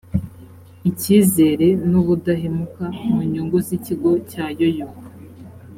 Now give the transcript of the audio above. icyizere n‘ubudahemuka mu nyungu z’ikigo cyayoyoka